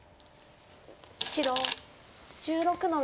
白１６の六。